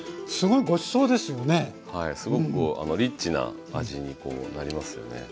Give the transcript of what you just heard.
すごくこうリッチな味にこうなりますよね。